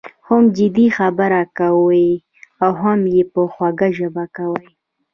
هم جدي خبره کوي او هم یې په خوږه ژبه کوي.